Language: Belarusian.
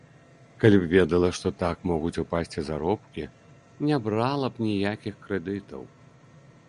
Калі б ведала, што так могуць упасці заробкі, не брала б ніякіх крэдытаў!